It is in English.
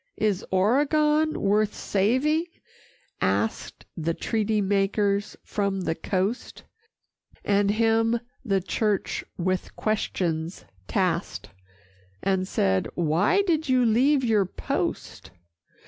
"Is Oregon worth saving?" asked The treaty makers from the coast; And him the church with questions tasked, And said, "Why did you leave your post?"